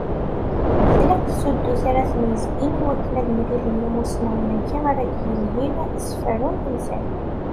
Tlaq tsudut ara ten-yezdin i wakken ad mlilen yimussnawen-agi ara d-yelhin s ferru n temsal.